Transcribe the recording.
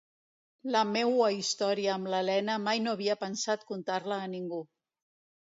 La meua història amb l'Elena mai no havia pensat contar-la a ningú.